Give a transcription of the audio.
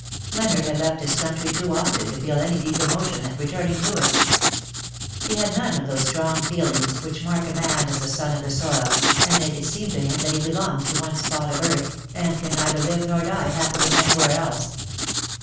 Leonard had left his country too often to feel any deep emotion at returning to it. He had none of those strong feelings which mark a man as the sou of the soil, and make it seem to him that he belongs to one spot of earth, and can neither live nor die happily anywhere else.